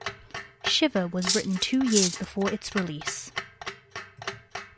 "Shiver" was written two years before its release.